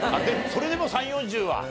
それでも３０４０は。